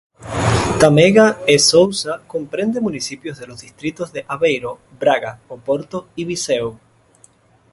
Tâmega e Sousa comprende municipios de los distritos de Aveiro, Braga, Oporto y Viseu.